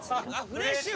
フレッシュ！